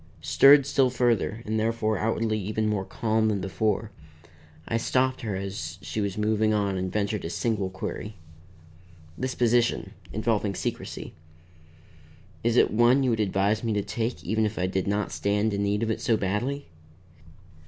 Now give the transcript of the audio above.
Stirred still further and therefore outwardly even more calm than before, I stopped her as she was moving on and ventured a single query. "This position involving secrecy is it one you would advise me to take, even if I did not stand in need of it so badly?"